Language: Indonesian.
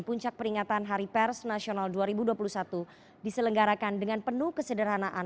puncak peringatan hari pers nasional dua ribu dua puluh satu diselenggarakan dengan penuh kesederhanaan